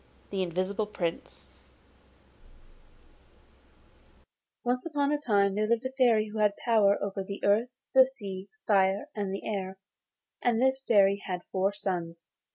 THE INVISIBLE PRINCE Once upon a time there lived a Fairy who had power over the earth, the sea, fire, and the air; and this Fairy had four sons.